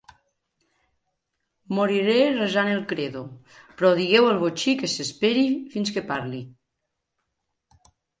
Moriré resant el credo; però digueu al botxí que s'espere fins que parle.